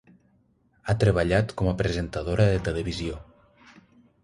Ha treballat com a presentadora de televisió.